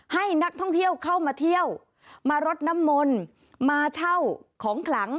ให้นักท่องเที่ยวเข้ามาเที่ยวมารดน้ำมนต์มาเช่าของขลัง